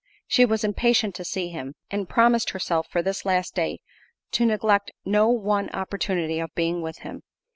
She was impatient to see him, and promised herself, for this last day, to neglect no one opportunity of being with him.